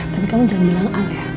tapi kamu jangan bilang al ya